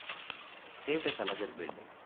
Saved us another building.